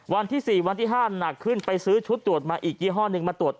วันที่๔วันที่๕หนักขึ้นไปซื้อชุดตรวจมาอีกยี่ห้อหนึ่งมาตรวจ